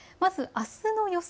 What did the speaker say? あすの予想